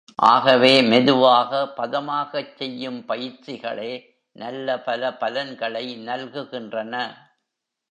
ஆகவே, மெதுவாக, பதமாகச் செய்யும் பயிற்சிகளே, நல்ல பல பலன்களை நல்குகின்றன.